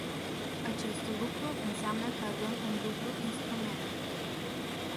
Acest lucru înseamnă că avem un dublu instrument.